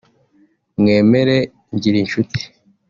Mwemere Ngirishuti